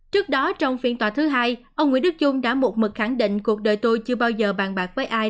trước đó trong phiên tòa thứ hai ông nguyễn đức trung đã một mực khẳng định cuộc đời tôi chưa bao giờ bàn bạc với ai